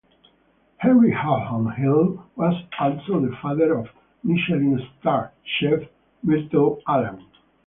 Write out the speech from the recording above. Henry Houghton Hill was also the father of Michelin star chef Myrtle Allen.